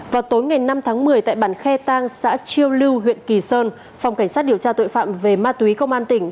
vào tối ngày năm tháng một mươi tại bản khe tang xã chiêu lưu huyện kỳ sơn phòng cảnh sát điều tra tội phạm về ma túy công an tỉnh